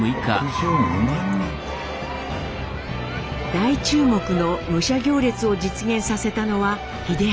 大注目の武者行列を実現させたのは英明さん。